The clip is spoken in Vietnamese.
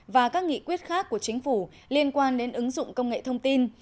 và các nghị quyết khác của chính phủ liên quan đến ứng dụng công nghệ thông tin